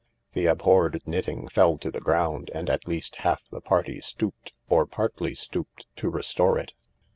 The abhorred knitting fell to the ground, and at least half the party stooped, or partly stooped, to restore it.